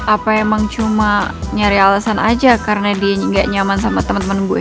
apa emang cuma nyari alasan aja karena dia nggak nyaman sama temen temen gue